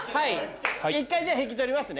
一回じゃあ引き取りますね。